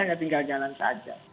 hanya tinggal jalan saja